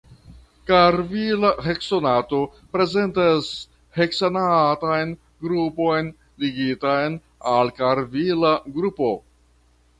Karviila heksanato prezentas heksanatan grupon ligitan al karviila grupo.